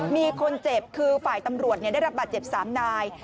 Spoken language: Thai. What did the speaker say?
มีคนเจ็บคือฝ่ายตำรวจเนี่ยได้รับบัตรเจ็บสามนาย